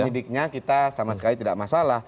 penyidiknya kita sama sekali tidak masalah